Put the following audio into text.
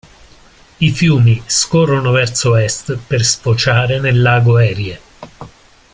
I fiumi scorrono verso est per sfociare nel lago Erie.